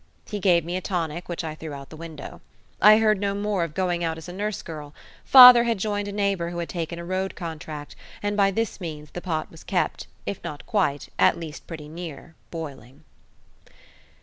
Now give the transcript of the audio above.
He gave me a tonic, which I threw out the window. I heard no more of going out as nurse girl: father had joined a neighbour who had taken a road contract, and by this means the pot was kept, if not quite, at least pretty near, boiling.